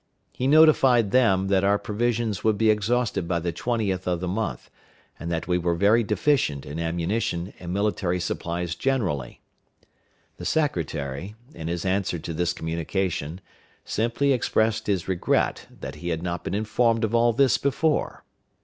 He notified them that our provisions would be exhausted by the 20th of the month, and that we were very deficient in ammunition and military supplies generally. The secretary, in his answer to this communication, simply expressed his regret that he had not been informed of all this before.